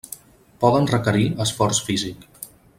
Poden requerir esforç físic.